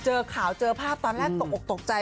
เจอข่าวเจอภาพตอนแรกตกออกตกใจ